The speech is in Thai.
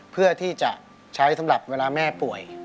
เพื่อที่จะใช้สำหรับเวลาแม่ป่วย